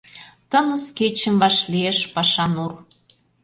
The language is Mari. Тыныс кечым вашлиеш Паша нур.